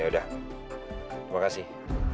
ya udah terima kasih